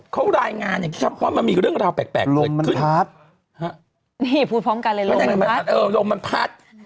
หอมแดงหอมแดงเนอะใหญ่เนอะ